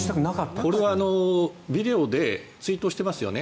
これはビデオで追悼してますよね